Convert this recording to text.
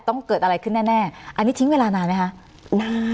ต้องเกิดอะไรขึ้นแน่อันนี้ทิ้งเวลานานไหมคะนาน